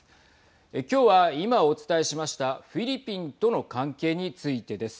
今日は今お伝えしましたフィリピンとの関係についてです。